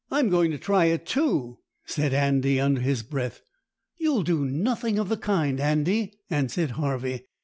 "] "I'm going to try it too," said Andy, under his breath. "You'll do nothing of the kind, Andy," answered Harvey.